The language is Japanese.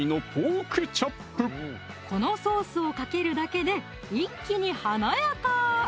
このソースをかけるだけで一気に華やか！